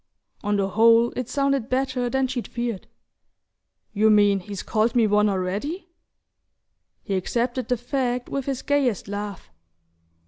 On the whole it sounded better than she'd feared. "You mean he's called me one already?" He accepted the fact with his gayest laugh.